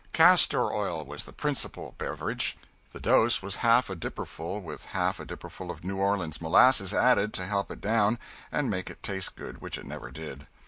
Castor oil was the principal beverage. The dose was half a dipperful, with half a dipperful of New Orleans molasses added to help it down and make it taste good, which it never did.